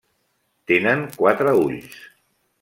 Tenen quatre ulls.